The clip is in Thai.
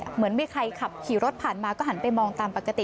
เหมือนมีใครขับขี่รถผ่านมาก็หันไปมองตามปกติ